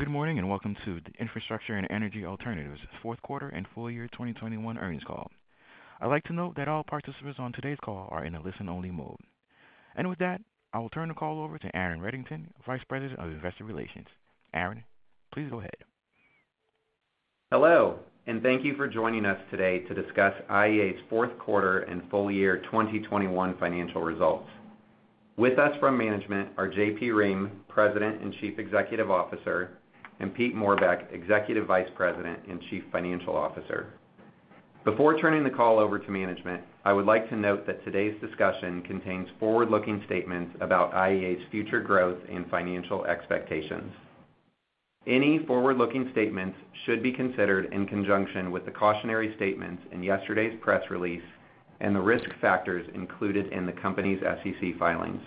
Good morning, and welcome to the Infrastructure and Energy Alternatives Fourth Quarter and Full Year 2021 Earnings Call. I'd like to note that all participants on today's call are in a listen-only mode. With that, I will turn the call over to Aaron Reddington, Vice President of Investor Relations. Aaron, please go ahead. Hello, and thank you for joining us today to discuss IEA's fourth quarter and full year 2021 financial results. With us from management are J.P. Roehm, President and Chief Executive Officer, and Pete Moerbeek, Executive Vice President and Chief Financial Officer. Before turning the call over to management, I would like to note that today's discussion contains forward-looking statements about IEA's future growth and financial expectations. Any forward-looking statements should be considered in conjunction with the cautionary statements in yesterday's press release and the risk factors included in the company's SEC filings.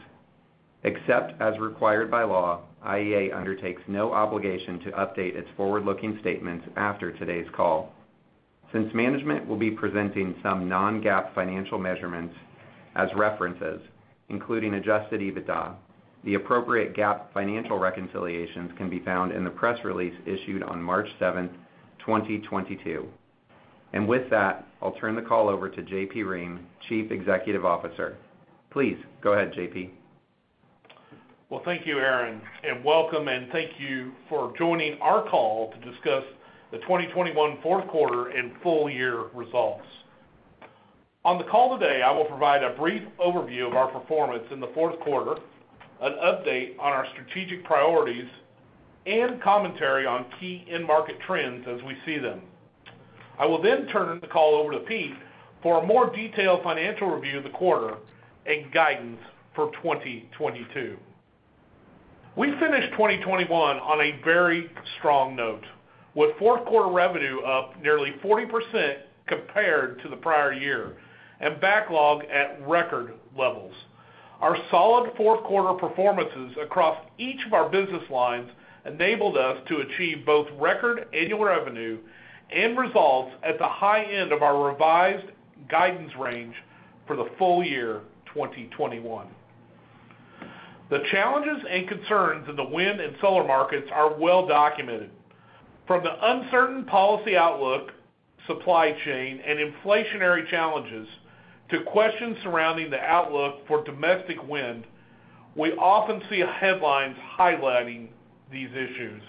Except as required by law, IEA undertakes no obligation to update its forward-looking statements after today's call. Since management will be presenting some non-GAAP financial measurements as references, including Adjusted EBITDA, the appropriate GAAP financial reconciliations can be found in the press release issued on March 7, 2022. With that, I'll turn the call over to J.P. Roehm, Chief Executive Officer. Please go ahead, JP. Well, thank you, Aaron, and welcome, and thank you for joining our call to discuss the 2021 fourth quarter and full year results. On the call today, I will provide a brief overview of our performance in the fourth quarter, an update on our strategic priorities, and commentary on key end market trends as we see them. I will then turn the call over to Pete for a more detailed financial review of the quarter and guidance for 2022. We finished 2021 on a very strong note, with fourth quarter revenue up nearly 40% compared to the prior year and backlog at record levels. Our solid fourth quarter performances across each of our business lines enabled us to achieve both record annual revenue and results at the high end of our revised guidance range for the full year 2021. The challenges and concerns in the wind and solar markets are well documented. From the uncertain policy outlook, supply chain, and inflationary challenges to questions surrounding the outlook for domestic wind, we often see headlines highlighting these issues.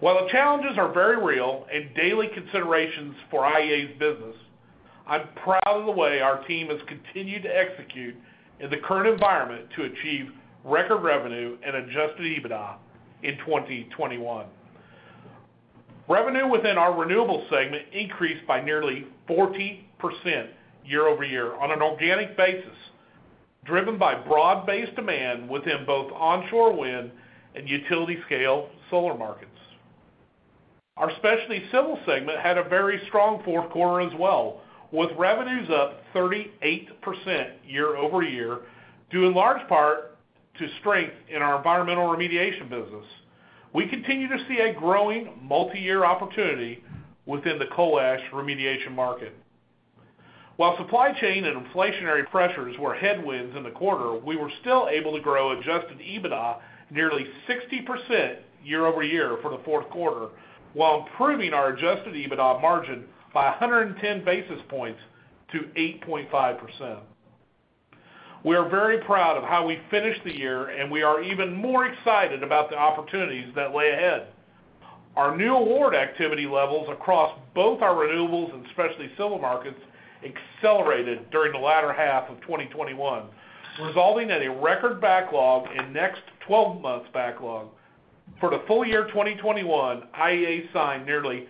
While the challenges are very real and daily considerations for IEA's business, I'm proud of the way our team has continued to execute in the current environment to achieve record revenue and Adjusted EBITDA in 2021. Revenue within our renewables segment increased by nearly 14% year-over-year on an organic basis, driven by broad-based demand within both onshore wind and utility-scale solar markets. Our specialty civil segment had a very strong fourth quarter as well, with revenues up 38% year-over-year, due in large part to strength in our environmental remediation business. We continue to see a growing multi-year opportunity within the coal ash remediation market. While supply chain and inflationary pressures were headwinds in the quarter, we were still able to grow Adjusted EBITDA nearly 60% year-over-year for the fourth quarter, while improving our Adjusted EBITDA margin by 110 basis points to 8.5%. We are very proud of how we finished the year, and we are even more excited about the opportunities that lay ahead. Our new award activity levels across both our renewables and specialty civil markets accelerated during the latter half of 2021, resulting in a record backlog and next twelve months backlog. For the full year 2021, IEA signed nearly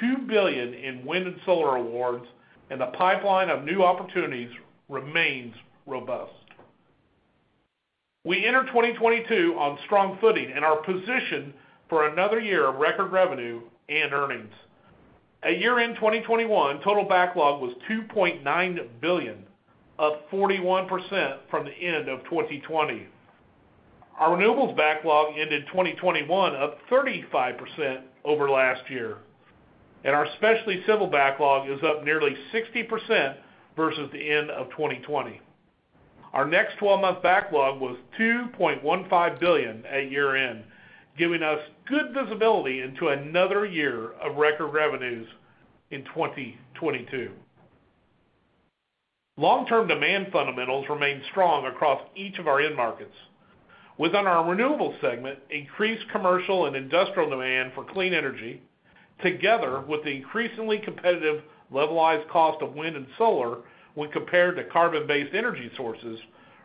$2 billion in wind and solar awards, and the pipeline of new opportunities remains robust. We enter 2022 on strong footing and are positioned for another year of record revenue and earnings. At year-end 2021, total backlog was $2.9 billion, up 41% from the end of 2020. Our renewables backlog ended 2021, up 35% over last year, and our specialty civil backlog is up nearly 60% versus the end of 2020. Our next 12-month backlog was $2.15 billion at year-end, giving us good visibility into another year of record revenues in 2022. Long-term demand fundamentals remain strong across each of our end markets. Within our renewables segment, increased commercial and industrial demand for clean energy, together with the increasingly competitive levelized cost of wind and solar when compared to carbon-based energy sources,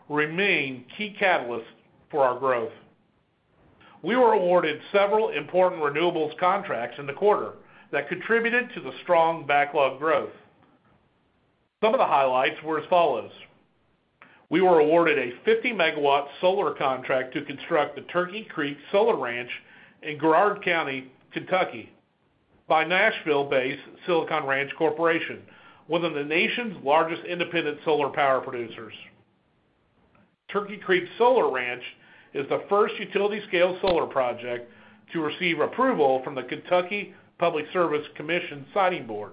remain key catalysts for our growth. We were awarded several important renewables contracts in the quarter that contributed to the strong backlog growth. Some of the highlights were as follows. We were awarded a 50 MW solar contract to construct the Turkey Creek Solar Ranch in Garrard County, Kentucky, by Nashville-based Silicon Ranch Corporation, one of the nation's largest independent solar power producers. Turkey Creek Solar Ranch is the first utility-scale solar project to receive approval from the Kentucky Public Service Commission Siting Board.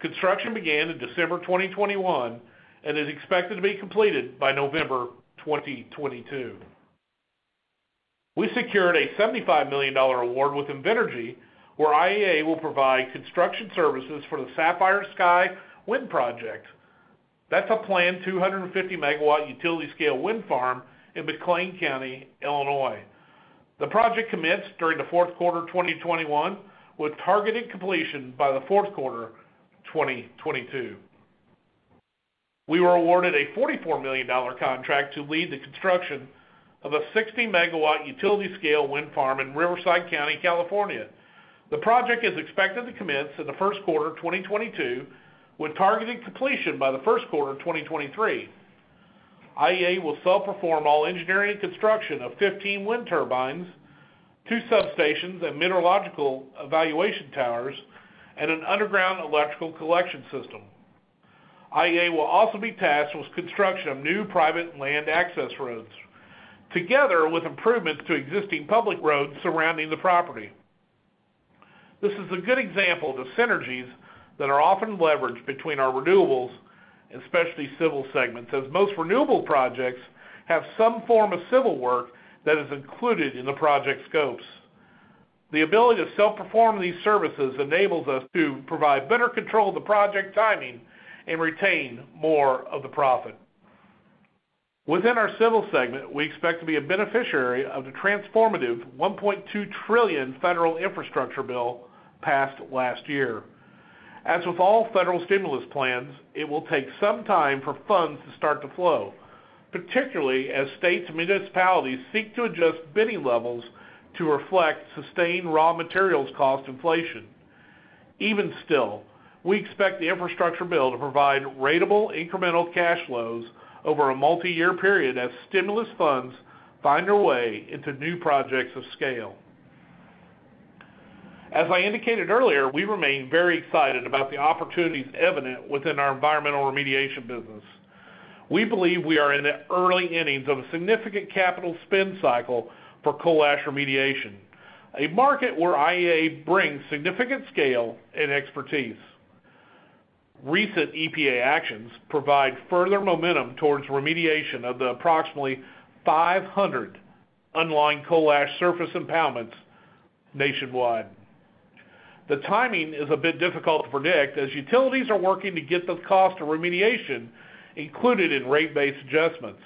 Construction began in December 2021 and is expected to be completed by November 2022. We secured a $75 million award with Invenergy, where IEA will provide construction services for the Sapphire Sky Wind Project. That's a planned 250 MW utility-scale wind farm in McLean County, Illinois. The project commences during the fourth quarter 2021, with targeted completion by the fourth quarter 2022. We were awarded a $44 million contract to lead the construction of a 60 MW utility-scale wind farm in Riverside County, California. The project is expected to commence in the first quarter 2022, with targeted completion by the first quarter 2023. IEA will self-perform all engineering and construction of 15 wind turbines, 2 substations and meteorological evaluation towers, and an underground electrical collection system. IEA will also be tasked with construction of new private land access roads, together with improvements to existing public roads surrounding the property. This is a good example of the synergies that are often leveraged between our Renewables and Specialty Civil segments, as most renewable projects have some form of civil work that is included in the project scopes. The ability to self-perform these services enables us to provide better control of the project timing and retain more of the profit. Within our Civil segment, we expect to be a beneficiary of the transformative $1.2 trillion federal infrastructure bill passed last year. As with all federal stimulus plans, it will take some time for funds to start to flow, particularly as states and municipalities seek to adjust bidding levels to reflect sustained raw materials cost inflation. Even still, we expect the infrastructure bill to provide ratable incremental cash flows over a multi-year period as stimulus funds find their way into new projects of scale. As I indicated earlier, we remain very excited about the opportunities evident within our environmental remediation business. We believe we are in the early innings of a significant capital spend cycle for coal ash remediation, a market where IEA brings significant scale and expertise. Recent EPA actions provide further momentum towards remediation of the approximately 500 unlined coal ash surface impoundments nationwide. The timing is a bit difficult to predict, as utilities are working to get the cost of remediation included in rate-based adjustments.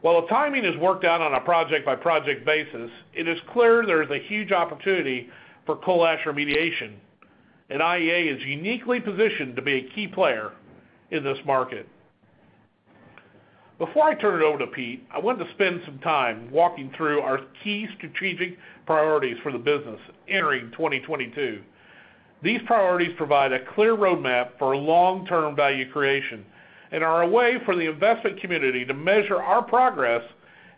While the timing is worked out on a project-by-project basis, it is clear there is a huge opportunity for coal ash remediation, and IEA is uniquely positioned to be a key player in this market. Before I turn it over to Pete, I wanted to spend some time walking through our key strategic priorities for the business entering 2022. These priorities provide a clear roadmap for long-term value creation and are a way for the investment community to measure our progress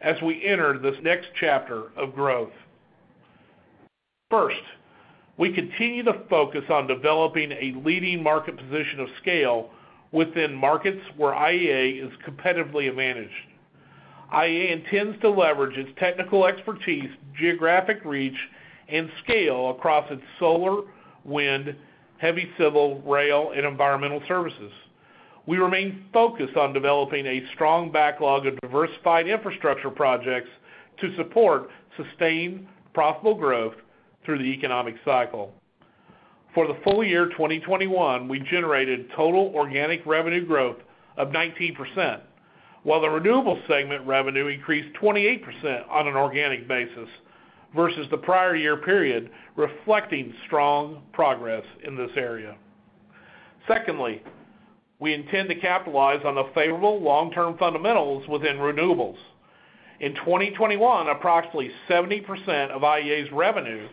as we enter this next chapter of growth. First, we continue to focus on developing a leading market position of scale within markets where IEA is competitively advantaged. IEA intends to leverage its technical expertise, geographic reach, and scale across its solar, wind, heavy civil, rail, and environmental services. We remain focused on developing a strong backlog of diversified infrastructure projects to support sustained, profitable growth through the economic cycle. For the full year 2021, we generated total organic revenue growth of 19%, while the renewables segment revenue increased 28% on an organic basis versus the prior year period, reflecting strong progress in this area. Secondly, we intend to capitalize on the favorable long-term fundamentals within renewables. In 2021, approximately 70% of IEA's revenue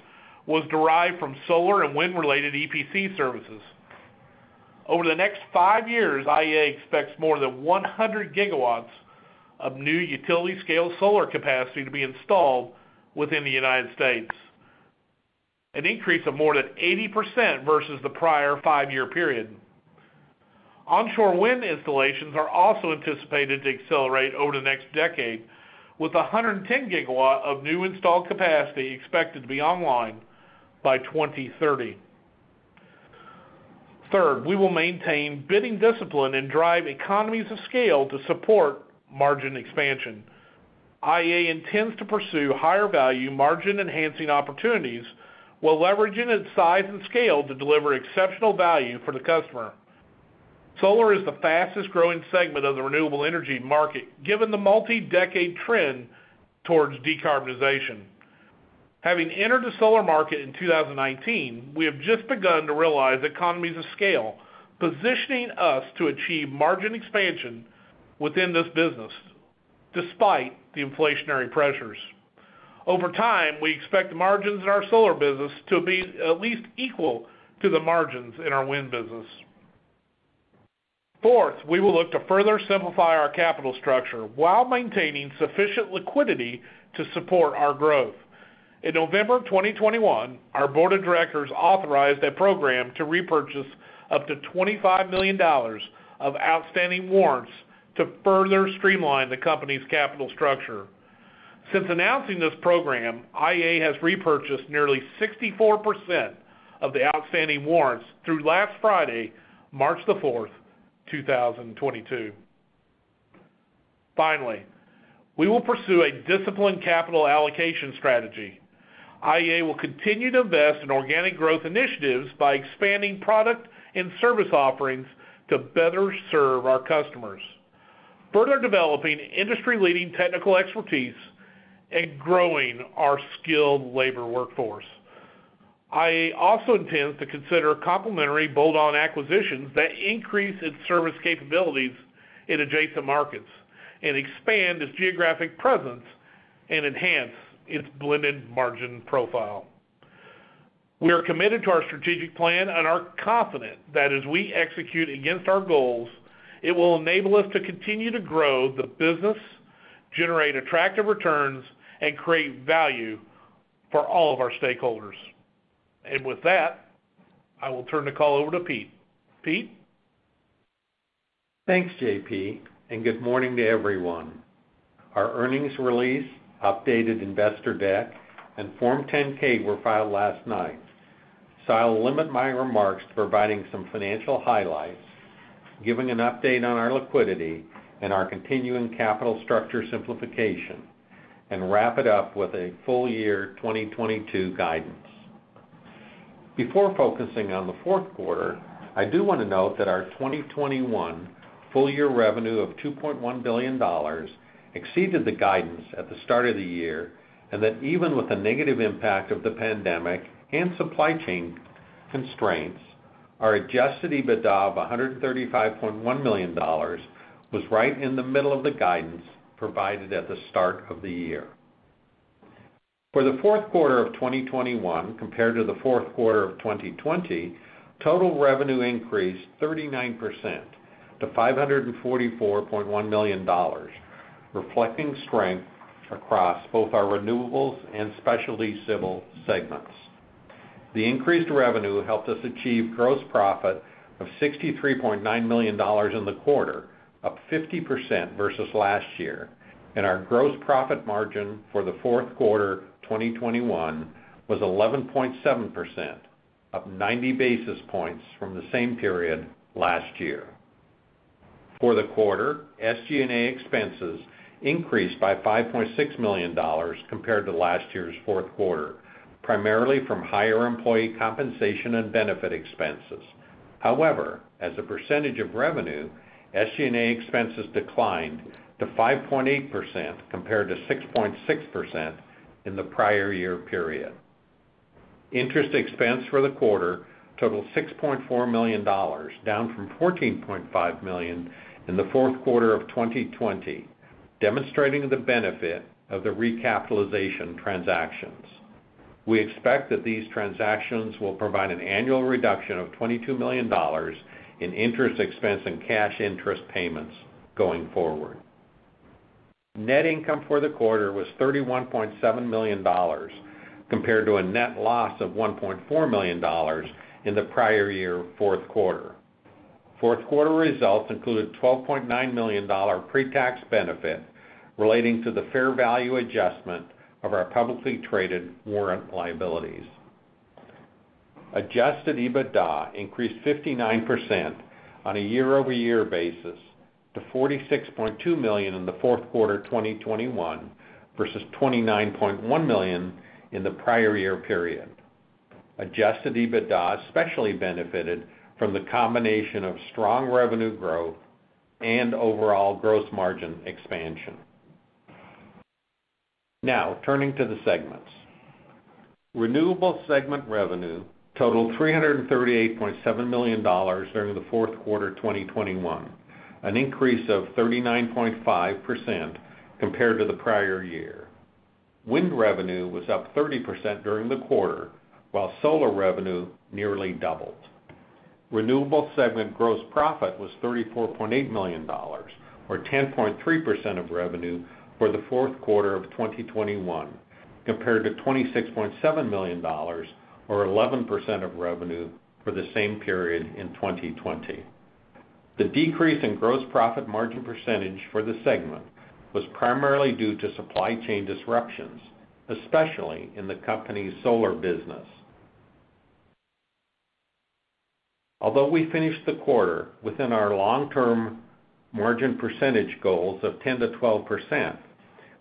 was derived from solar and wind-related EPC services. Over the next five years, IEA expects more than 100 GW of new utility-scale solar capacity to be installed within the United States, an increase of more than 80% versus the prior five-year period. Onshore wind installations are also anticipated to accelerate over the next decade, with 110 GW of new installed capacity expected to be online by 2030. Third, we will maintain bidding discipline and drive economies of scale to support margin expansion. IEA intends to pursue higher-value, margin-enhancing opportunities, while leveraging its size and scale to deliver exceptional value for the customer. Solar is the fastest-growing segment of the renewable energy market, given the multi-decade trend towards decarbonization. Having entered the solar market in 2019, we have just begun to realize economies of scale, positioning us to achieve margin expansion within this business despite the inflationary pressures. Over time, we expect the margins in our solar business to be at least equal to the margins in our wind business. Fourth, we will look to further simplify our capital structure while maintaining sufficient liquidity to support our growth. In November 2021, our board of directors authorized a program to repurchase up to $25 million of outstanding warrants to further streamline the company's capital structure. Since announcing this program, IEA has repurchased nearly 64% of the outstanding warrants through last Friday, March 4, 2022. Finally, we will pursue a disciplined capital allocation strategy. IEA will continue to invest in organic growth initiatives by expanding product and service offerings to better serve our customers, further developing industry-leading technical expertise, and growing our skilled labor workforce. IEA also intends to consider complementary bolt-on acquisitions that increase its service capabilities in adjacent markets and expand its geographic presence and enhance its blended margin profile. We are committed to our strategic plan and are confident that as we execute against our goals, it will enable us to continue to grow the business, generate attractive returns, and create value for all of our stakeholders. With that, I will turn the call over to Pete. Pete? Thanks, JP, and good morning to everyone. Our earnings release, updated investor deck, and Form 10-K were filed last night. I'll limit my remarks to providing some financial highlights, giving an update on our liquidity and our continuing capital structure simplification, and wrap it up with a full year 2022 guidance. Before focusing on the fourth quarter, I do want to note that our 2021 full year revenue of $2.1 billion exceeded the guidance at the start of the year, and that even with the negative impact of the pandemic and supply chain constraints, our Adjusted EBITDA of $135.1 million was right in the middle of the guidance provided at the start of the year. For the fourth quarter of 2021 compared to the fourth quarter of 2020, total revenue increased 39% to $544.1 million, reflecting strength across both our Renewables and Specialty Civil segments. The increased revenue helped us achieve gross profit of $63.9 million in the quarter, up 50% versus last year. Our gross profit margin for the fourth quarter 2021 was 11.7%, up 90 basis points from the same period last year. For the quarter, SG&A expenses increased by $5.6 million compared to last year's fourth quarter, primarily from higher employee compensation and benefit expenses. However, as a percentage of revenue, SG&A expenses declined to 5.8% compared to 6.6% in the prior year period. Interest expense for the quarter totaled $6.4 million, down from $14.5 million in the fourth quarter of 2020, demonstrating the benefit of the recapitalization transactions. We expect that these transactions will provide an annual reduction of $22 million in interest expense and cash interest payments going forward. Net income for the quarter was $31.7 million compared to a net loss of $1.4 million in the prior year fourth quarter. Fourth quarter results included a $12.9 million pre-tax benefit relating to the fair value adjustment of our publicly traded warrant liabilities. Adjusted EBITDA increased 59% on a year-over-year basis to $46.2 million in the fourth quarter of 2021 versus $29.1 million in the prior year period. Adjusted EBITDA especially benefited from the combination of strong revenue growth and overall gross margin expansion. Now, turning to the segments. Renewable segment revenue totaled $338.7 million during the fourth quarter of 2021, an increase of 39.5% compared to the prior year. Wind revenue was up 30% during the quarter, while solar revenue nearly doubled. Renewable segment gross profit was $34.8 million, or 10.3% of revenue for the fourth quarter of 2021, compared to $26.7 million, or 11% of revenue for the same period in 2020. The decrease in gross profit margin percentage for the segment was primarily due to supply chain disruptions, especially in the company's solar business. Although we finished the quarter within our long-term margin percentage goals of 10%-12%,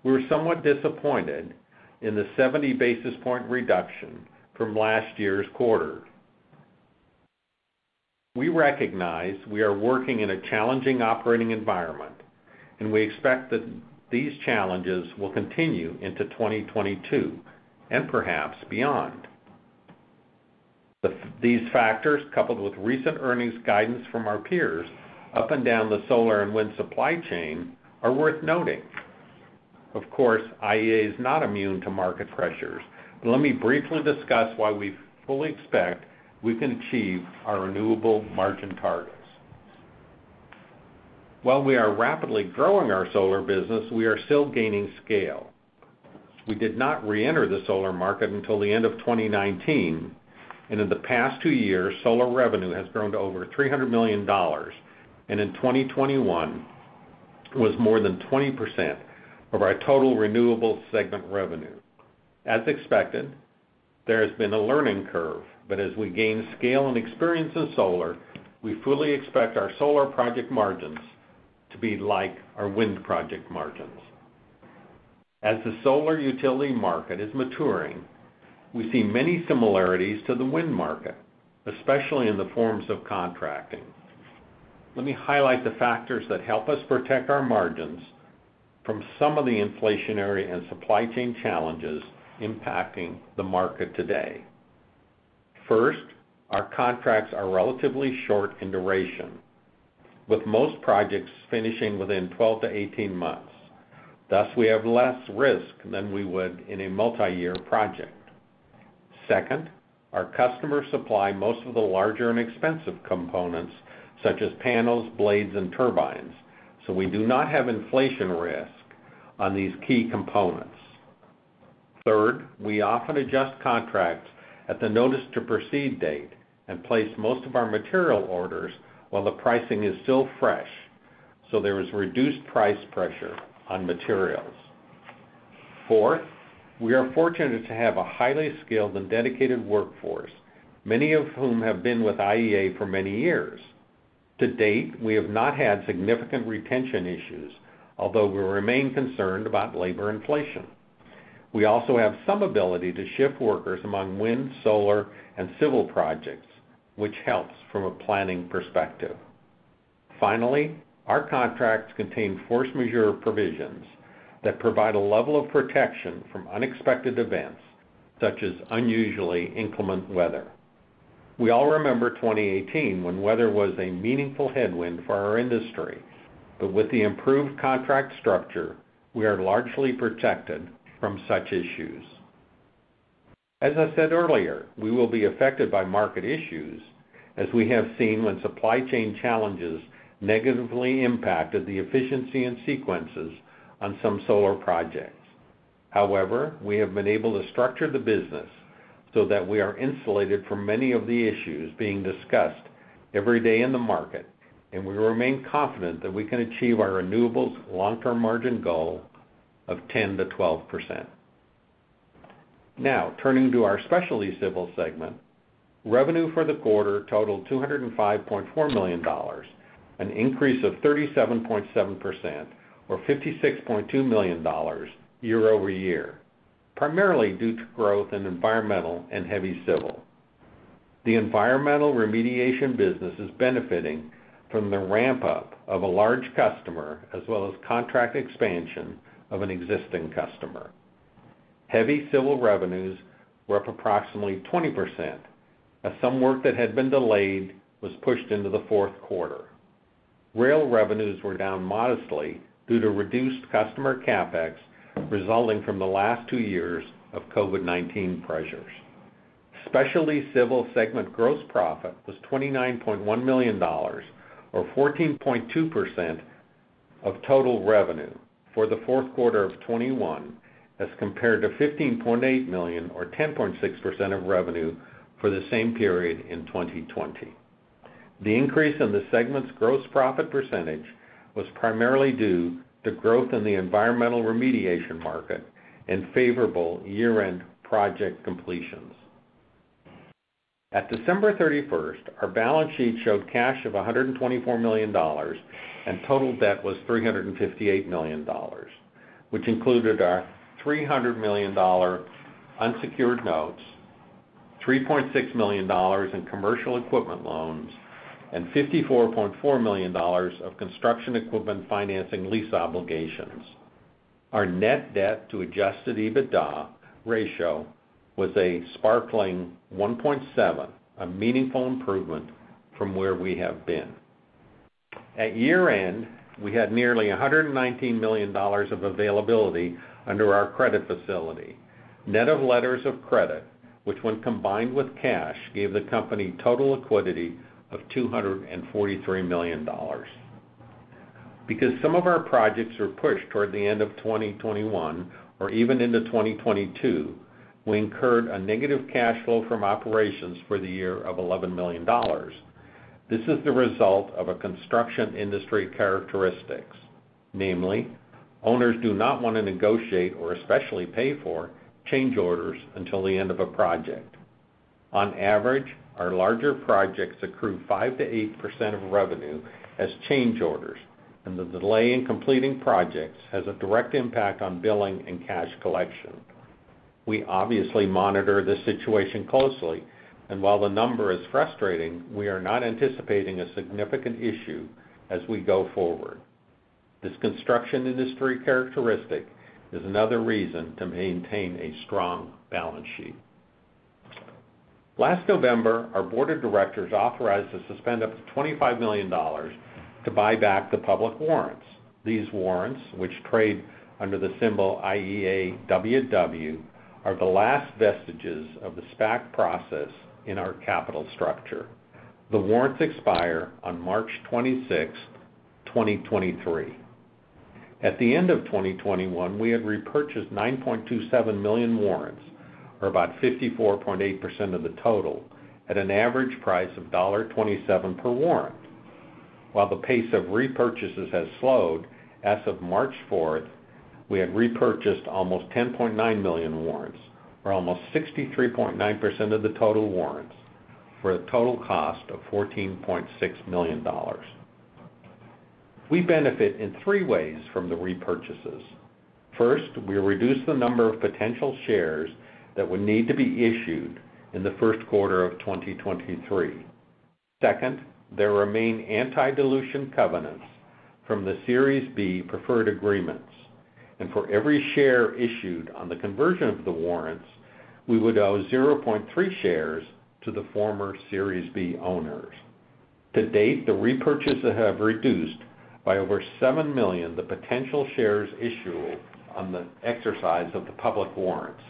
we were somewhat disappointed in the 70 basis point reduction from last year's quarter. We recognize we are working in a challenging operating environment, and we expect that these challenges will continue into 2022, and perhaps beyond. These factors, coupled with recent earnings guidance from our peers up and down the solar and wind supply chain, are worth noting. Of course, IEA is not immune to market pressures, but let me briefly discuss why we fully expect we can achieve our renewable margin targets. While we are rapidly growing our solar business, we are still gaining scale. We did not reenter the solar market until the end of 2019. In the past two years, solar revenue has grown to over $300 million, and in 2021 was more than 20% of our total renewable segment revenue. As expected, there has been a learning curve, but as we gain scale and experience in solar, we fully expect our solar project margins to be like our wind project margins. As the solar utility market is maturing, we see many similarities to the wind market, especially in the forms of contracting. Let me highlight the factors that help us protect our margins from some of the inflationary and supply chain challenges impacting the market today. First, our contracts are relatively short in duration, with most projects finishing within 12-18 months. Thus, we have less risk than we would in a multi-year project. Second, our customers supply most of the larger and expensive components such as panels, blades, and turbines, so we do not have inflation risk on these key components. Third, we often adjust contracts at the notice to proceed date and place most of our material orders while the pricing is still fresh, so there is reduced price pressure on materials. Fourth, we are fortunate to have a highly skilled and dedicated workforce, many of whom have been with IEA for many years. To date, we have not had significant retention issues, although we remain concerned about labor inflation. We also have some ability to shift workers among wind, solar, and civil projects, which helps from a planning perspective. Finally, our contracts contain force majeure provisions that provide a level of protection from unexpected events, such as unusually inclement weather. We all remember 2018 when weather was a meaningful headwind for our industry. With the improved contract structure, we are largely protected from such issues. As I said earlier, we will be affected by market issues as we have seen when supply chain challenges negatively impacted the efficiency and sequences on some solar projects. However, we have been able to structure the business so that we are insulated from many of the issues being discussed every day in the market, and we remain confident that we can achieve our renewables long-term margin goal of 10%-12%. Now, turning to our specialty civil segment. Revenue for the quarter totaled $205.4 million, an increase of 37.7% or $56.2 million year-over-year, primarily due to growth in environmental and heavy civil. The environmental remediation business is benefiting from the ramp-up of a large customer as well as contract expansion of an existing customer. Heavy civil revenues were up approximately 20% as some work that had been delayed was pushed into the fourth quarter. Rail revenues were down modestly due to reduced customer CapEx resulting from the last two years of COVID-19 pressures. Specialty civil segment gross profit was $29.1 million or 14.2% of total revenue for the fourth quarter of 2021, as compared to $15.8 million or 10.6% of revenue for the same period in 2020. The increase in the segment's gross profit percentage was primarily due to growth in the environmental remediation market and favorable year-end project completions. At December 31, our balance sheet showed cash of $124 million, and total debt was $358 million, which included our $300 million unsecured notes, $3.6 million in commercial equipment loans, and $54.4 million of construction equipment financing lease obligations. Our net debt to Adjusted EBITDA ratio was a sparkling 1.7, a meaningful improvement from where we have been. At year-end, we had nearly $119 million of availability under our credit facility. Net of letters of credit, which when combined with cash, gave the company total liquidity of $243 million. Because some of our projects are pushed toward the end of 2021 or even into 2022, we incurred a negative cash flow from operations for the year of $11 million. This is the result of a construction industry characteristics. Namely, owners do not want to negotiate or especially pay for change orders until the end of a project. On average, our larger projects accrue 5%-8% of revenue as change orders, and the delay in completing projects has a direct impact on billing and cash collection. We obviously monitor this situation closely, and while the number is frustrating, we are not anticipating a significant issue as we go forward. This construction industry characteristic is another reason to maintain a strong balance sheet. Last November, our board of directors authorized us to spend up to $25 million to buy back the public warrants. These warrants, which trade under the symbol IEAWW, are the last vestiges of the SPAC process in our capital structure. The warrants expire on March 26, 2023. At the end of 2021, we had repurchased 9.27 million warrants, or about 54.8% of the total, at an average price of $27 per warrant. While the pace of repurchases has slowed, as of March 4, we had repurchased almost 10.9 million warrants, or almost 63.9% of the total warrants, for a total cost of $14.6 million. We benefit in three ways from the repurchases. First, we reduce the number of potential shares that would need to be issued in the first quarter of 2023. Second, there remain anti-dilution covenants from the Series B preferred agreements. For every share issued on the conversion of the warrants, we would owe 0.3 shares to the former Series B owners. To date, the repurchases have reduced by over 7 million the potential shares issued on the exercise of the public warrants.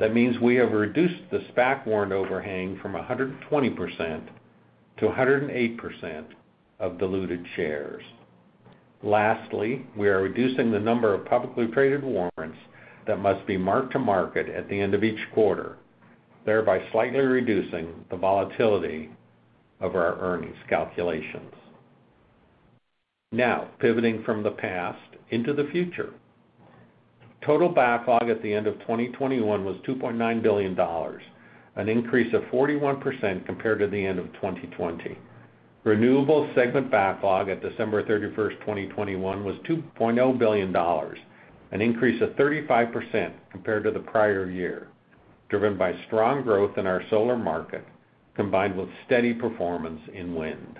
That means we have reduced the SPAC warrant overhang from 120%-108% of diluted shares. Lastly, we are reducing the number of publicly traded warrants that must be mark-to-market at the end of each quarter, thereby slightly reducing the volatility of our earnings calculations. Now, pivoting from the past into the future. Total backlog at the end of 2021 was $2.9 billion, an increase of 41% compared to the end of 2020. Renewable segment backlog at December 31, 2021 was $2.0 billion, an increase of 35% compared to the prior year, driven by strong growth in our solar market, combined with steady performance in wind.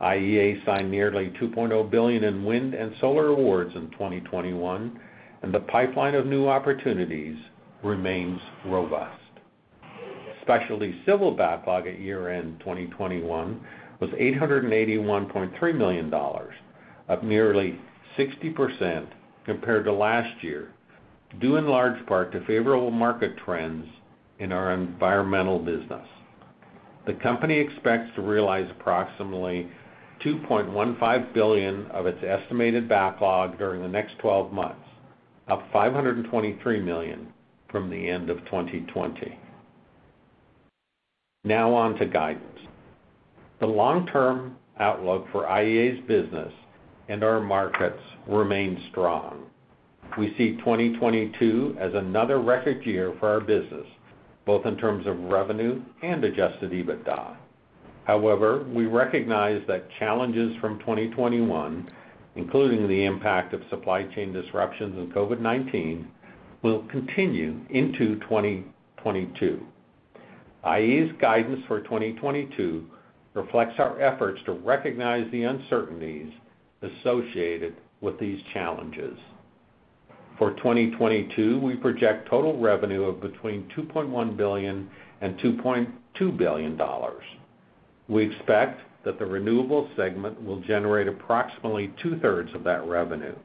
IEA signed nearly $2.0 billion in wind and solar awards in 2021, and the pipeline of new opportunities remains robust. Specialty Civil backlog at year-end 2021 was $881.3 million, up nearly 60% compared to last year, due in large part to favorable market trends in our environmental business. The company expects to realize approximately $2.15 billion of its estimated backlog during the next 12 months, up $523 million from the end of 2020. Now on to guidance. The long-term outlook for IEA's business and our markets remain strong. We see 2022 as another record year for our business, both in terms of revenue and Adjusted EBITDA. However, we recognize that challenges from 2021, including the impact of supply chain disruptions and COVID-19, will continue into 2022. IEA's guidance for 2022 reflects our efforts to recognize the uncertainties associated with these challenges. For 2022, we project total revenue of between $2.1 billion and $2.2 billion. We expect that the renewable segment will generate approximately two-thirds of that revenue.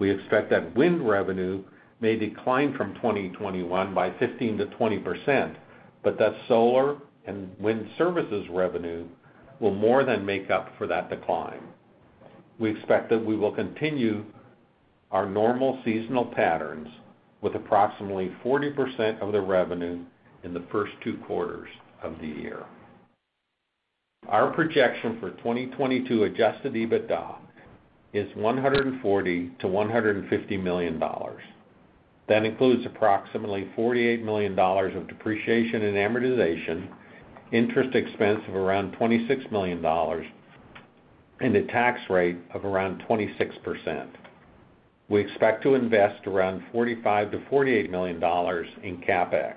We expect that wind revenue may decline from 2021 by 15%-20%, but that solar and wind services revenue will more than make up for that decline. We expect that we will continue our normal seasonal patterns with approximately 40% of the revenue in the first two quarters of the year. Our projection for 2022 Adjusted EBITDA is $140 million-$150 million. That includes approximately $48 million of depreciation and amortization, interest expense of around $26 million, and a tax rate of around 26%. We expect to invest around $45 million-$48 million in CapEx.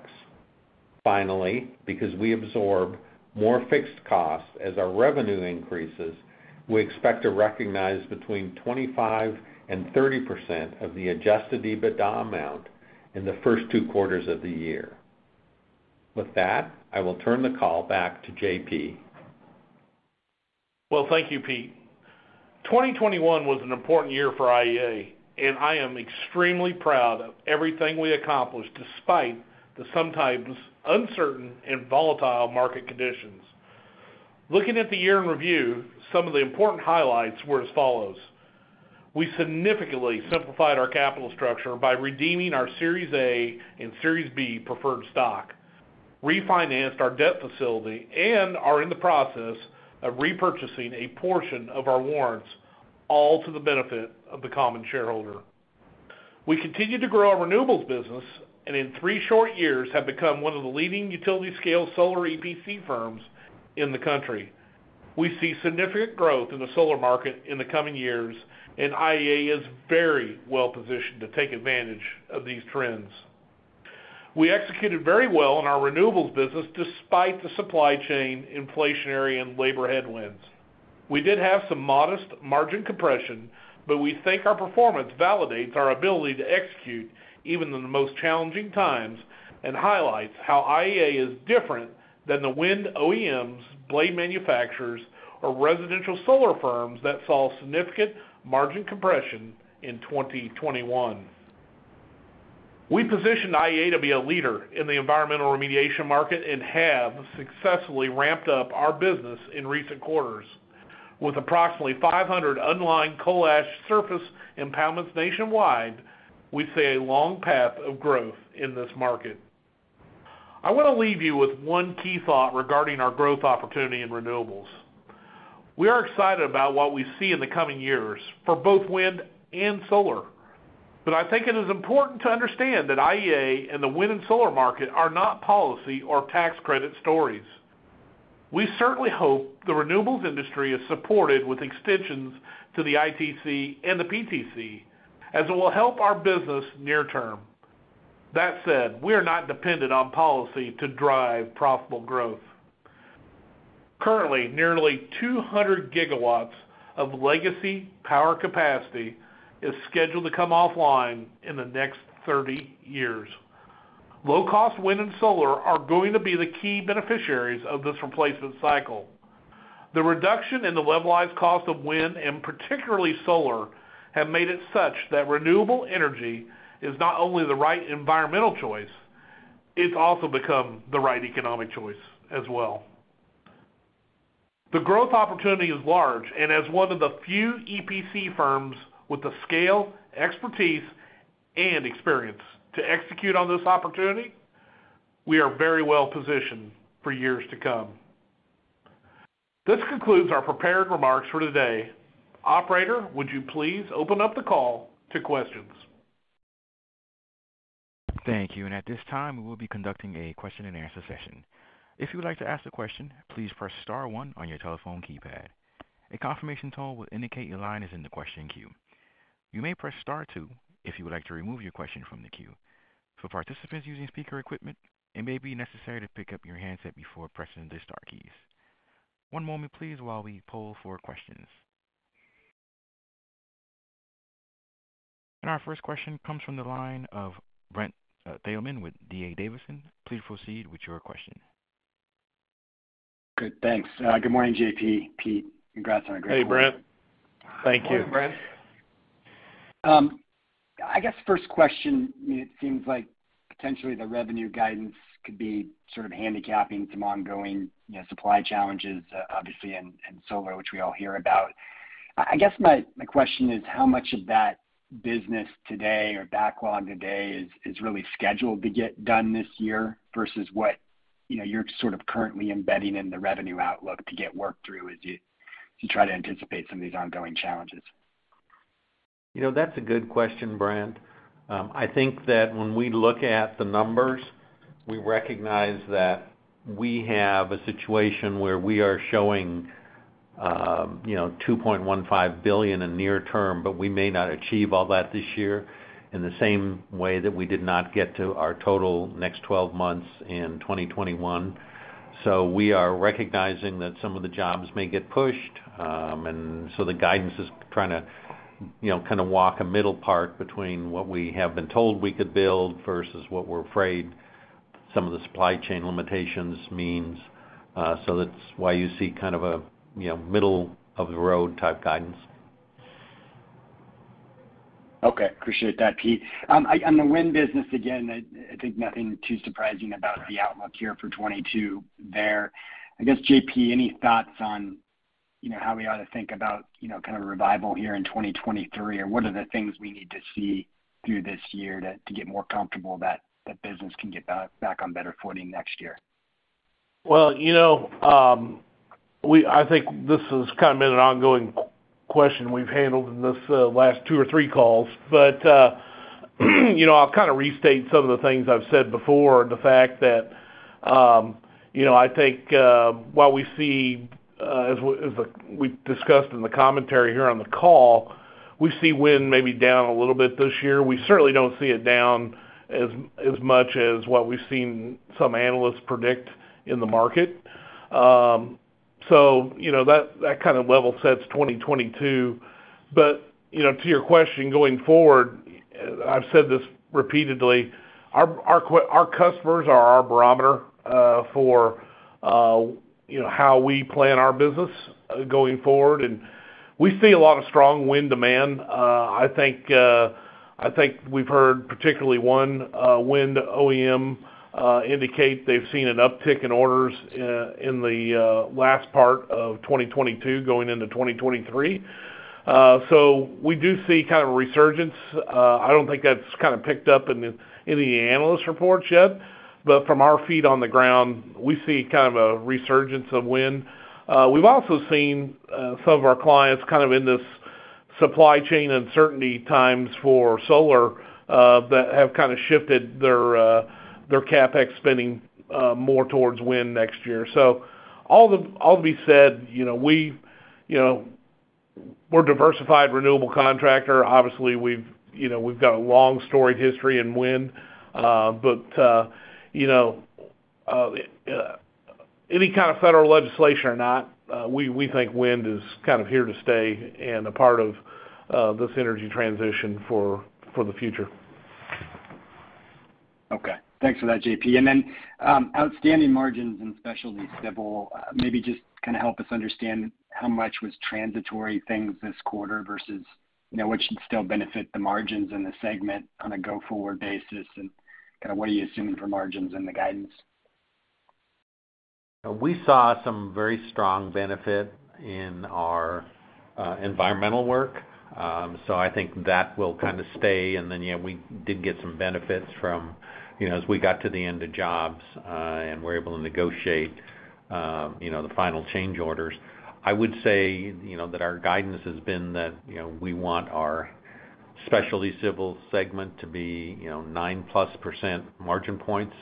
Finally, because we absorb more fixed costs as our revenue increases, we expect to recognize between 25%-30% of the Adjusted EBITDA amount in the first two quarters of the year. With that, I will turn the call back to JP. Well, thank you, Pete. 2021 was an important year for IEA, and I am extremely proud of everything we accomplished despite the sometimes uncertain and volatile market conditions. Looking at the year in review, some of the important highlights were as follows. We significantly simplified our capital structure by redeeming our Series A and Series B preferred stock, refinanced our debt facility, and are in the process of repurchasing a portion of our warrants, all to the benefit of the common shareholder. We continued to grow our renewables business, and in three short years have become one of the leading utility-scale solar EPC firms in the country. We see significant growth in the solar market in the coming years, and IEA is very well positioned to take advantage of these trends. We executed very well in our renewables business despite the supply chain, inflationary, and labor headwinds. We did have some modest margin compression, but we think our performance validates our ability to execute even in the most challenging times and highlights how IEA is different than the wind OEMs, blade manufacturers, or residential solar firms that saw significant margin compression in 2021. We positioned IEA to be a leader in the environmental remediation market and have successfully ramped up our business in recent quarters. With approximately 500 unlined coal ash surface impoundments nationwide, we see a long path of growth in this market. I want to leave you with one key thought regarding our growth opportunity in renewables. We are excited about what we see in the coming years for both wind and solar, but I think it is important to understand that IEA and the wind and solar market are not policy or tax credit stories. We certainly hope the renewables industry is supported with extensions to the ITC and the PTC, as it will help our business near term. That said, we are not dependent on policy to drive profitable growth. Currently, nearly 200 GW of legacy power capacity is scheduled to come offline in the next 30 years. Low-cost wind and solar are going to be the key beneficiaries of this replacement cycle. The reduction in the levelized cost of wind, and particularly solar, have made it such that renewable energy is not only the right environmental choice, it's also become the right economic choice as well. The growth opportunity is large, and as one of the few EPC firms with the scale, expertise, and experience to execute on this opportunity, we are very well positioned for years to come. This concludes our prepared remarks for today. Operator, would you please open up the call to questions? Thank you. At this time, we will be conducting a question-and-answer session. If you would like to ask a question, please press star one on your telephone keypad. A confirmation tone will indicate your line is in the question queue. You may press star two if you would like to remove your question from the queue. For participants using speaker equipment, it may be necessary to pick up your handset before pressing the star keys. One moment, please, while we poll for questions. Our first question comes from the line of Brent Thielman with D.A. Davidson. Please proceed with your question. Good. Thanks. Good morning, JP, Pete. Congrats on a great call. Hey, Brent. Thank you. Morning, Brent. I guess first question, I mean, it seems like potentially the revenue guidance could be sort of handicapping some ongoing, you know, supply challenges, obviously in solar, which we all hear about. I guess my question is, how much of that business today or backlog today is really scheduled to get done this year versus what, you know, you're sort of currently embedding in the revenue outlook to get work through as you try to anticipate some of these ongoing challenges? You know, that's a good question, Brent. I think that when we look at the numbers, we recognize that we have a situation where we are showing, you know, $2.15 billion in near term, but we may not achieve all that this year in the same way that we did not get to our total next twelve months in 2021. We are recognizing that some of the jobs may get pushed, and so the guidance is trying to, you know, kind of walk a middle path between what we have been told we could build versus what we're afraid some of the supply chain limitations means. That's why you see kind of a, you know, middle of the road type guidance. Okay. Appreciate that, Pete. On the wind business, again, I think nothing too surprising about the outlook here for 2022 there. I guess, JP, any thoughts on, you know, how we ought to think about, you know, kind of a revival here in 2023? Or what are the things we need to see through this year to get more comfortable that that business can get back on better footing next year? Well, you know, I think this has kind of been an ongoing question we've handled in this last 2 or 3 calls, but you know, I'll kind of restate some of the things I've said before. The fact that you know, I think while we see as we've discussed in the commentary here on the call, we see wind maybe down a little bit this year. We certainly don't see it down as much as what we've seen some analysts predict in the market. You know, that kind of level sets 2022. You know, to your question going forward, I've said this repeatedly, our customers are our barometer for you know, how we plan our business going forward, and we see a lot of strong wind demand. I think we've heard particularly one wind OEM indicate they've seen an uptick in orders in the last part of 2022 going into 2023. We do see kind of a resurgence. I don't think that's kind of picked up in any analyst reports yet, but from our feet on the ground, we see kind of a resurgence of wind. We've also seen some of our clients kind of in this supply chain uncertainty times for solar that have kind of shifted their CapEx spending more towards wind next year. All to be said, you know, we're a diversified renewable contractor. Obviously, we've got a long storied history in wind. You know, any kind of federal legislation or not, we think wind is kind of here to stay and a part of this energy transition for the future. Okay. Thanks for that, JP. Outstanding margins and specialty civil, maybe just kinda help us understand how much was transitory things this quarter versus, you know, what should still benefit the margins in the segment on a go-forward basis, and kinda what are you assuming for margins in the guidance? We saw some very strong benefit in our environmental work. I think that will kinda stay. Yeah, we did get some benefits from, you know, as we got to the end of jobs, and we're able to negotiate, you know, the final change orders. I would say, you know, that our guidance has been that, you know, we want our Specialty Civil segment to be, you know, 9%+ margin points.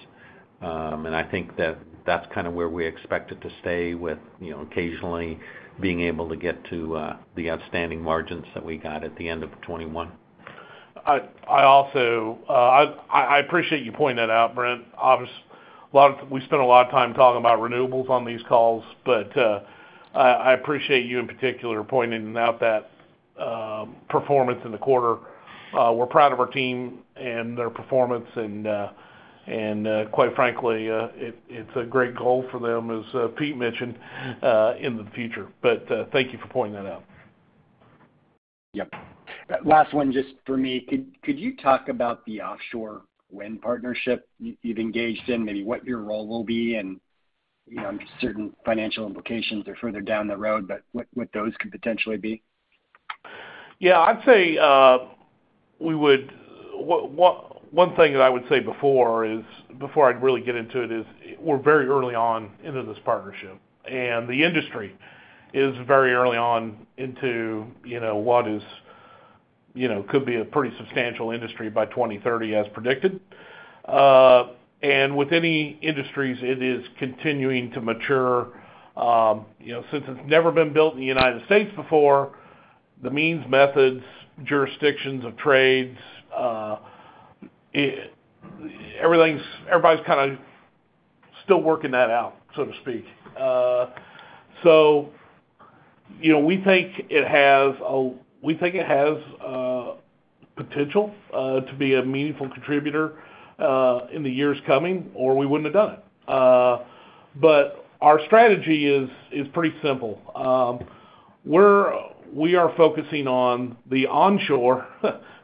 I think that that's kinda where we expect it to stay with, you know, occasionally being able to get to the outstanding margins that we got at the end of 2021. I also appreciate you pointing that out, Brent. We spent a lot of time talking about renewables on these calls, but I appreciate you in particular pointing out that performance in the quarter. We're proud of our team and their performance. Quite frankly, it's a great goal for them, as Pete mentioned, in the future. Thank you for pointing that out. Yep. Last one, just for me. Could you talk about the offshore wind partnership you've engaged in, maybe what your role will be and, you know, certain financial implications are further down the road, but what those could potentially be? I'd say, one thing that I would say before is, before I'd really get into it, is we're very early on into this partnership, and the industry is very early on into, you know, what is, you know, could be a pretty substantial industry by 2030 as predicted. With any industries, it is continuing to mature. You know, since it's never been built in the United States before, the means, methods, jurisdictions of trades, everybody's kinda still working that out, so to speak. You know, we think it has potential to be a meaningful contributor in the years coming, or we wouldn't have done it. Our strategy is pretty simple. We are focusing on the onshore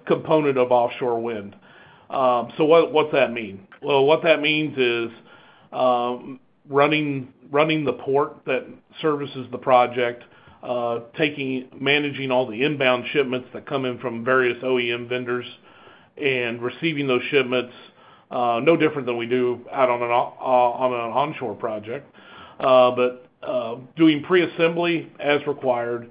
component of offshore wind. What’s that mean? Well, what that means is, running the port that services the project, managing all the inbound shipments that come in from various OEM vendors and receiving those shipments, no different than we do out on an onshore project. Doing pre-assembly as required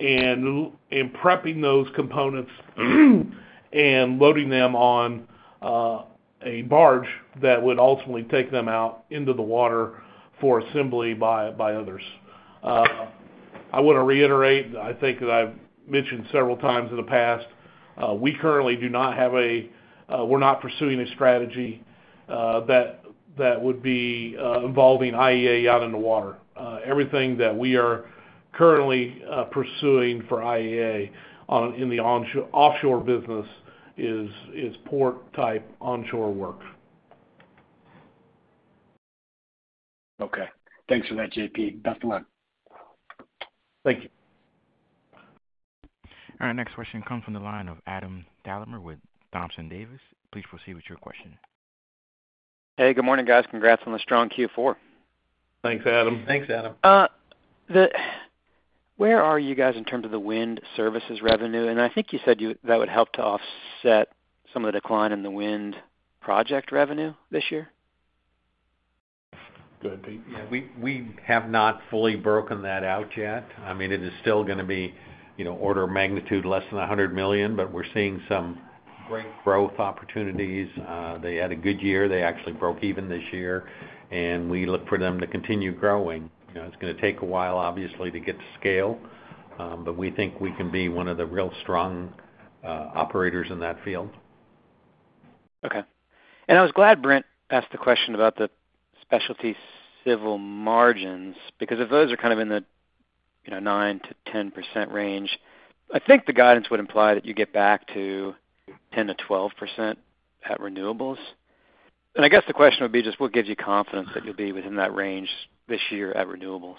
and prepping those components and loading them on a barge that would ultimately take them out into the water for assembly by others. I want to reiterate, I think that I’ve mentioned several times in the past, we currently do not have a, we’re not pursuing a strategy that would be involving IEA out in the water. Everything that we are currently pursuing for IEA in the onshore-offshore business is port type onshore work. Okay. Thanks for that, JP. Best of luck. Thank you. All right, next question comes from the line of Adam Thalhimer with Thompson Davis. Please proceed with your question. Hey, good morning, guys. Congrats on the strong Q4. Thanks, Adam. Thanks, Adam. Where are you guys in terms of the wind services revenue? I think you said that would help to offset some of the decline in the wind project revenue this year. Go ahead, Pete. Yeah. We have not fully broken that out yet. I mean, it is still gonna be, you know, order of magnitude less than $100 million, but we're seeing some great growth opportunities. They had a good year. They actually broke even this year, and we look for them to continue growing. You know, it's gonna take a while, obviously, to get to scale, but we think we can be one of the real strong operators in that field. Okay. I was glad Brent asked the question about the specialty civil margins, because if those are kind of in the, you know, 9%-10% range, I think the guidance would imply that you get back to 10%-12% at renewables. I guess the question would be just what gives you confidence that you'll be within that range this year at renewables?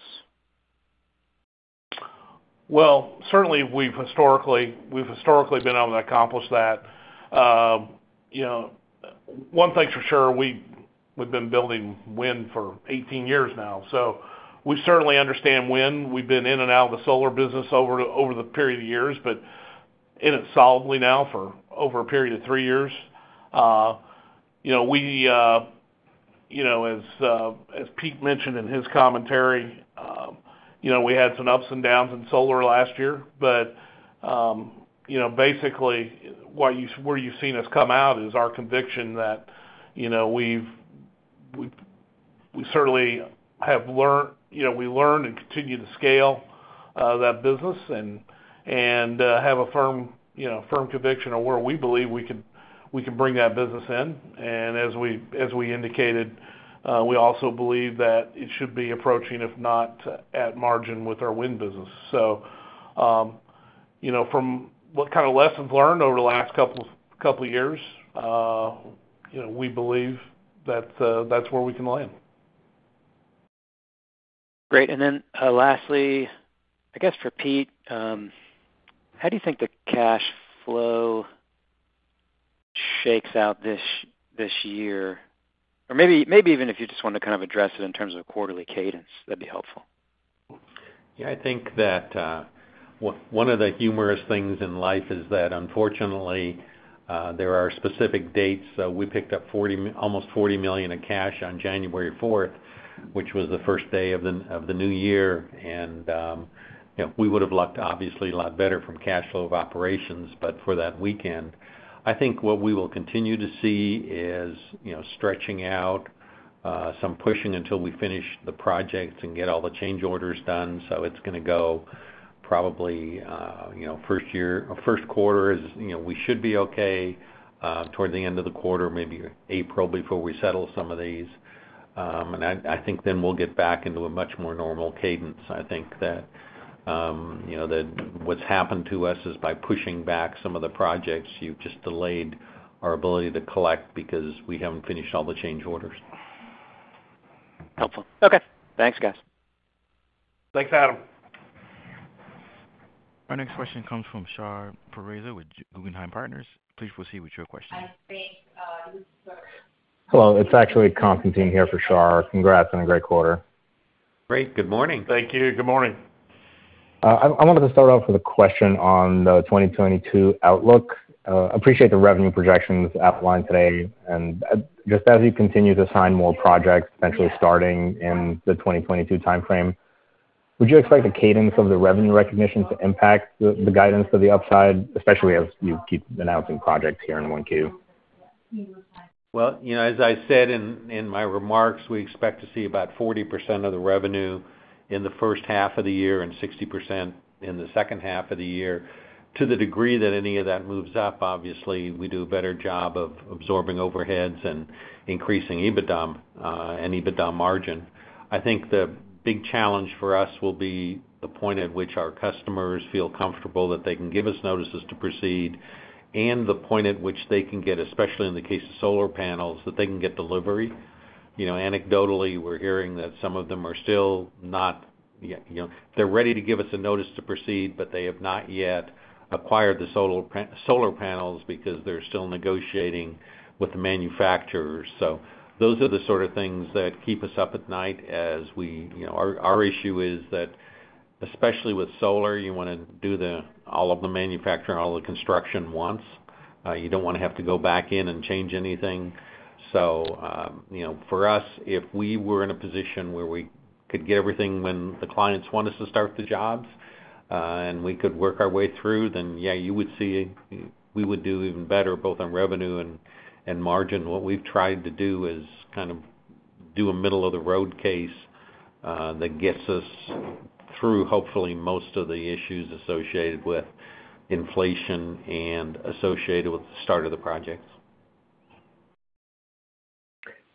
Well, certainly we've historically been able to accomplish that. You know, one thing's for sure, we've been building wind for 18 years now, so we certainly understand wind. We've been in and out of the solar business over the period of years, but in it solidly now for over a period of three years. You know, as Pete mentioned in his commentary, you know, we had some ups and downs in solar last year. You know, basically, where you've seen us come out is our conviction that, you know, we've certainly learned, you know, we learn and continue to scale that business and have a firm conviction of where we believe we can bring that business in. As we indicated, we also believe that it should be approaching, if not at margin with our wind business. You know, from what kind of lessons learned over the last couple of years, you know, we believe that that's where we can land. Great. Lastly, I guess for Pete, how do you think the cash flow shakes out this year? Or maybe even if you just wanna kind of address it in terms of quarterly cadence, that'd be helpful. Yeah. I think that one of the humorous things in life is that unfortunately there are specific dates. We picked up almost $40 million in cash on January fourth, which was the first day of the new year. You know, we would've looked obviously a lot better from cash flow of operations, but for that weekend. I think what we will continue to see is you know, stretching out some pushing until we finish the projects and get all the change orders done. It's gonna go probably you know, first quarter is you know, we should be okay toward the end of the quarter, maybe April, before we settle some of these. I think then we'll get back into a much more normal cadence. I think that, you know, that what's happened to us is by pushing back some of the projects, you've just delayed our ability to collect because we haven't finished all the change orders. Helpful. Okay. Thanks, guys. Thanks, Adam. Our next question comes from Shar Pourreza with Guggenheim Partners. Please proceed with your question. I thank you, sir. Hello. It's actually Constantine here for Shar. Congrats on a great quarter. Great. Good morning. Thank you. Good morning. I wanted to start off with a question on the 2022 outlook. I appreciate the revenue projections outlined today. Just as you continue to sign more projects potentially starting in the 2022 timeframe, would you expect the cadence of the revenue recognition to impact the guidance to the upside, especially as you keep announcing projects here in 1Q? Well, you know, as I said in my remarks, we expect to see about 40% of the revenue in the first half of the year and 60% in the second half of the year. To the degree that any of that moves up, obviously, we do a better job of absorbing overheads and increasing EBITDA and EBITDA margin. I think the big challenge for us will be the point at which our customers feel comfortable that they can give us notices to proceed and the point at which they can get, especially in the case of solar panels, that they can get delivery. You know, anecdotally, we're hearing that some of them are still not yet, you know. They're ready to give us a notice to proceed, but they have not yet acquired the solar panels because they're still negotiating with the manufacturers. Those are the sort of things that keep us up at night as we you know. Our issue is that especially with solar, you wanna do all of the manufacturing, all of the construction once. You don't wanna have to go back in and change anything. You know, for us, if we were in a position where we could get everything when the clients want us to start the jobs, and we could work our way through, then yeah, you would see we would do even better both on revenue and margin. What we've tried to do is kind of do a middle of the road case that gets us through, hopefully, most of the issues associated with inflation and associated with the start of the projects.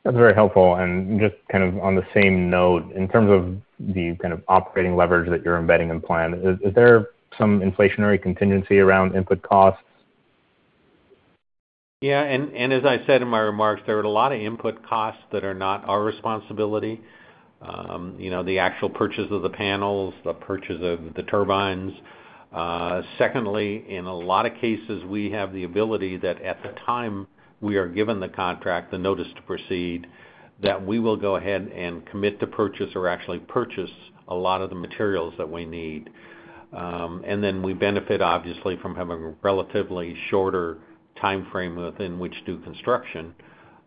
That's very helpful. Just kind of on the same note, in terms of the kind of operating leverage that you're embedding in plan, is there some inflationary contingency around input costs? Yeah. As I said in my remarks, there are a lot of input costs that are not our responsibility. You know, the actual purchase of the panels, the purchase of the turbines. Secondly, in a lot of cases, we have the ability that at the time we are given the contract, the notice to proceed, that we will go ahead and commit to purchase or actually purchase a lot of the materials that we need. We benefit obviously from having a relatively shorter timeframe within which do construction.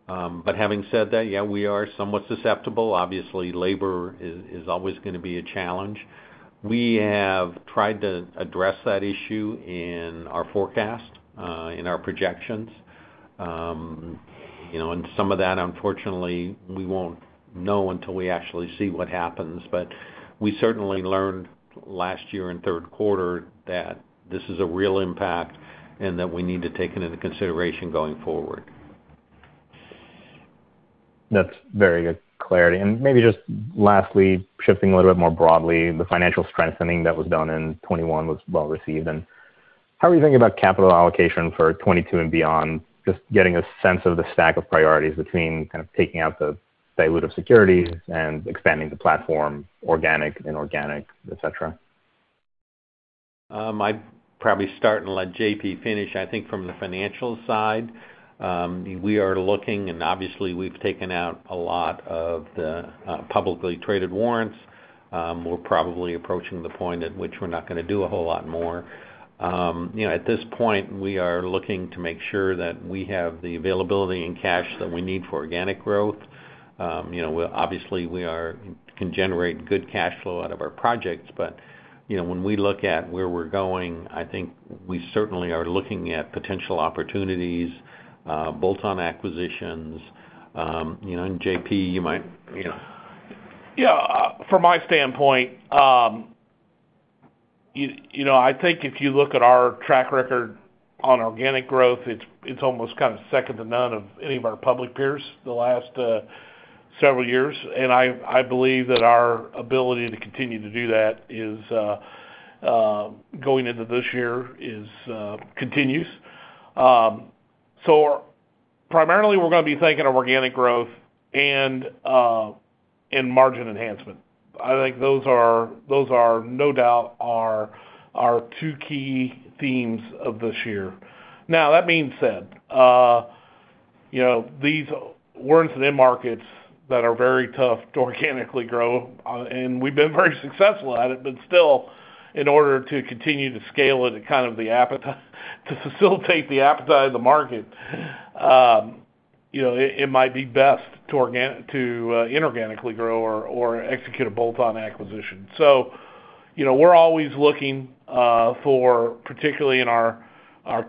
Having said that, yeah, we are somewhat susceptible. Obviously, labor is always gonna be a challenge. We have tried to address that issue in our forecast, in our projections. You know, some of that, unfortunately, we won't know until we actually see what happens. We certainly learned last year in third quarter that this is a real impact and that we need to take it into consideration going forward. That's very good clarity. Maybe just lastly, shifting a little bit more broadly, the financial strengthening that was done in 2021 was well received. How are you thinking about capital allocation for 2022 and beyond? Just getting a sense of the stack of priorities between kind of taking out the dilutive securities and expanding the platform, organic, inorganic, et cetera. I'd probably start and let JP finish. I think from the financial side, we are looking, and obviously, we've taken out a lot of the publicly traded warrants. We're probably approaching the point at which we're not gonna do a whole lot more. You know, at this point, we are looking to make sure that we have the availability and cash that we need for organic growth. You know, we obviously can generate good cash flow out of our projects. But, you know, when we look at where we're going, I think we certainly are looking at potential opportunities, bolt-on acquisitions, you know, and JP, you might, you know. Yeah. From my standpoint, you know, I think if you look at our track record on organic growth, it's almost kind of second to none of any of our public peers the last several years. I believe that our ability to continue to do that going into this year continues. Primarily we're gonna be thinking of organic growth and margin enhancement. I think those are no doubt our two key themes of this year. Now, that being said, you know, we're into end markets that are very tough to organically grow, and we've been very successful at it. Still, in order to continue to scale it and to facilitate the appetite of the market, you know, it might be best to inorganically grow or execute a bolt-on acquisition. You know, we're always looking for, particularly in our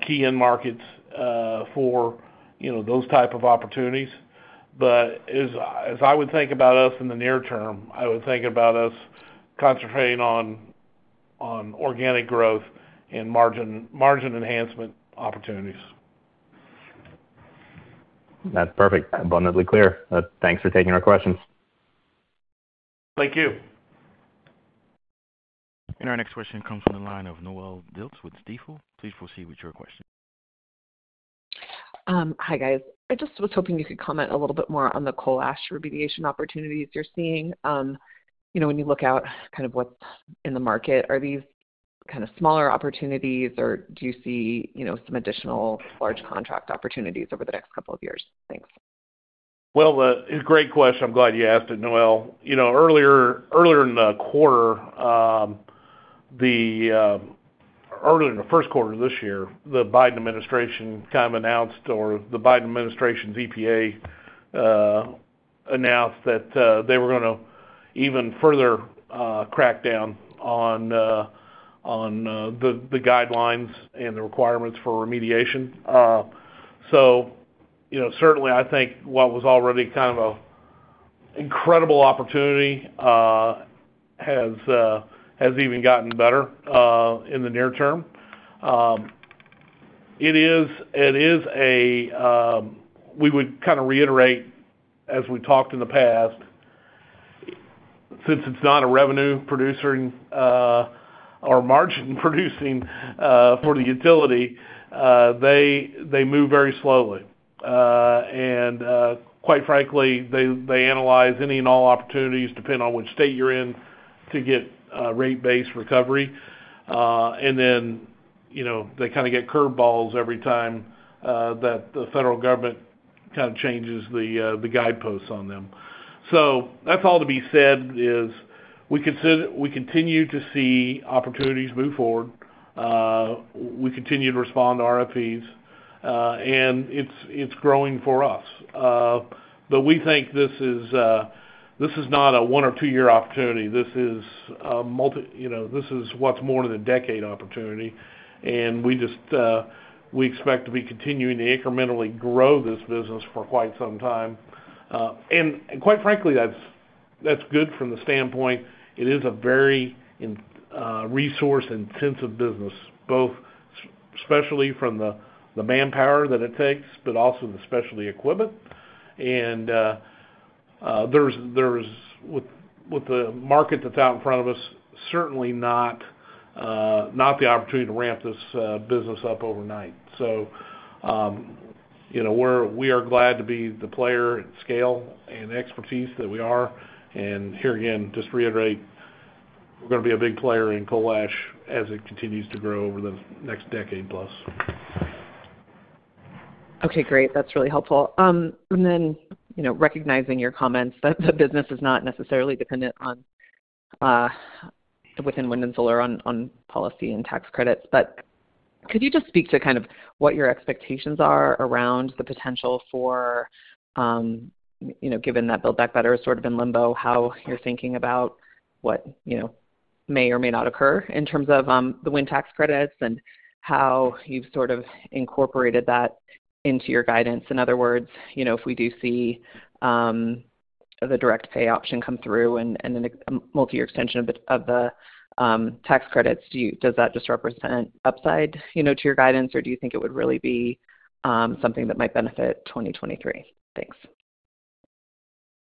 key end markets, for, you know, those type of opportunities. As I would think about us in the near term, I would think about us concentrating on organic growth and margin enhancement opportunities. That's perfect. Abundantly clear. Thanks for taking our questions. Thank you. Our next question comes from the line of Noelle Dilts with Stifel. Please proceed with your question. Hi, guys. I just was hoping you could comment a little bit more on the coal ash remediation opportunities you're seeing. You know, when you look out kind of what's in the market, are these kind of smaller opportunities or do you see, you know, some additional large contract opportunities over the next couple of years? Thanks. Well, it's a great question. I'm glad you asked it, Noelle. You know, earlier in the first quarter this year, the Biden administration kind of announced, or the Biden administration's EPA announced that they were gonna even further crack down on the guidelines and the requirements for remediation. You know, certainly I think what was already kind of a incredible opportunity has even gotten better in the near term. We would kind of reiterate as we talked in the past, since it's not a revenue-producing or margin-producing for the utility, they move very slowly. Quite frankly, they analyze any and all opportunities, depending on which state you're in, to get rate-based recovery. You know, they kind of get curve balls every time that the federal government kind of changes the guideposts on them. That's all to be said is we continue to see opportunities move forward. We continue to respond to RFPs, and it's growing for us. We think this is not a 1 or 2-year opportunity. This is a, you know, this is what's more than a decade opportunity, and we just expect to be continuing to incrementally grow this business for quite some time. Quite frankly, that's good from the standpoint it is a very resource-intensive business, both especially from the manpower that it takes, but also the specialty equipment. With the market that's out in front of us, certainly not the opportunity to ramp this business up overnight. You know, we are glad to be the player and scale and expertise that we are. Here again, just to reiterate, we're gonna be a big player in coal ash as it continues to grow over the next decade plus. Okay, great. That's really helpful. You know, recognizing your comments that the business is not necessarily dependent on, within wind and solar, on policy and tax credits, but could you just speak to kind of what your expectations are around the potential for, you know, given that Build Back Better is sort of in limbo, how you're thinking about what, you know, may or may not occur in terms of, the wind tax credits and how you've sort of incorporated that into your guidance? In other words, you know, if we do see, the direct pay option come through and then a multi-year extension of the tax credits, does that just represent upside, you know, to your guidance, or do you think it would really be, something that might benefit 2023? Thanks.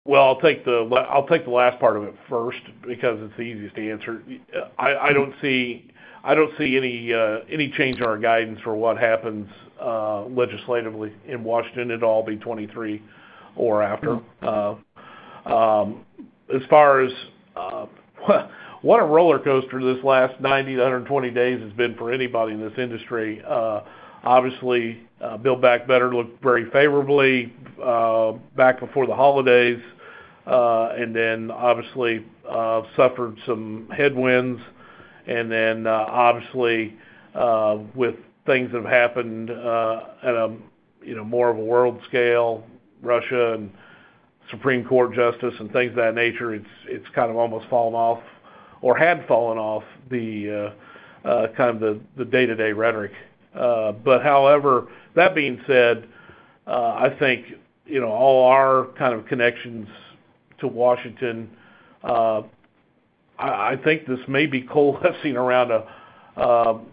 Well, I'll take the last part of it first because it's the easiest to answer. I don't see any change in our guidance for what happens legislatively in Washington at all, be it 2023 or after. As far as what a rollercoaster this last 90-120 days has been for anybody in this industry. Obviously, Build Back Better looked very favorably back before the holidays. Then, obviously, suffered some headwinds. Then, obviously, with things that have happened at a, you know, more of a world scale, Russia and Supreme Court justice and things of that nature, it's kind of almost fallen off or had fallen off the kind of the day-to-day rhetoric. However, that being said, I think, you know, all our kind of connections to Washington, I think this may be coalescing around a.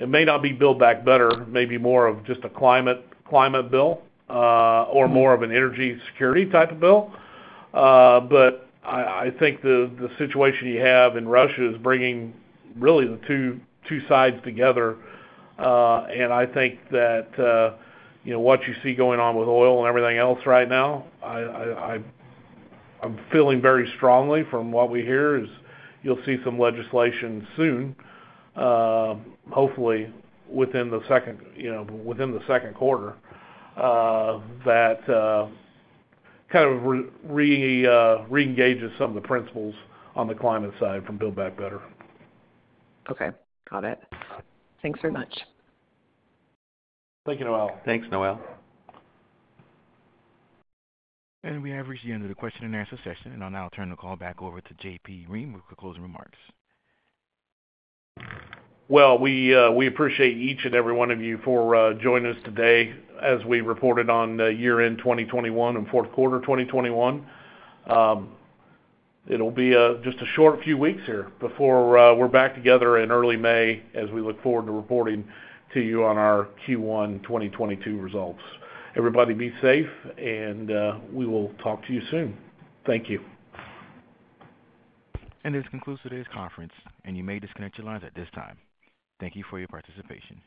It may not be Build Back Better, maybe more of just a climate bill, or more of an energy security type of bill. I think the situation you have in Russia is bringing really the two sides together. I think that, you know, what you see going on with oil and everything else right now, I'm feeling very strongly from what we hear is you'll see some legislation soon, hopefully within the second quarter, that kind of reengages some of the principles on the climate side from Build Back Better. Okay. Got it. Thanks very much. Thank you, Noelle. Thanks, Noelle. We have reached the end of the question and answer session, and I'll now turn the call back over to JP Roehm with the closing remarks. Well, we appreciate each and every one of you for joining us today as we reported on the year-end 2021 and fourth quarter 2021. It'll be just a short few weeks here before we're back together in early May as we look forward to reporting to you on our Q1 2022 results. Everybody be safe, and we will talk to you soon. Thank you. This concludes today's conference, and you may disconnect your lines at this time. Thank you for your participation.